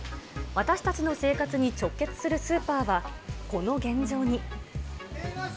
私たちの生活に直結するスーパーは、この現状に。